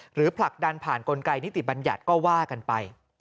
ผลักดันผ่านกลไกนิติบัญญัติก็ว่ากันไป